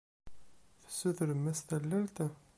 Tessutrem-as tallalt?